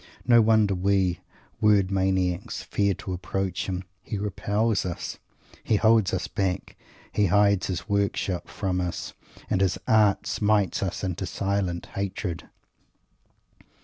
No wonder we word maniacs fear to approach him. He repels us; he holds us back; he hides his work shop from us; and his art smites us into silent hatred.